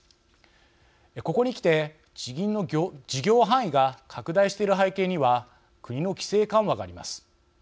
ここにきて地銀の事業範囲が拡大している背景には国の規制緩和があります。